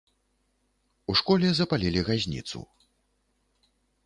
У школе запалілі газніцу.